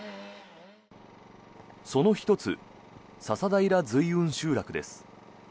その１つ、笹平瑞雲集落です。